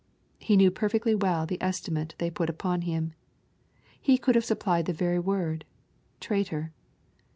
He knew perfectly well the estimate they put upon him. He could have supplied the very word "traitor."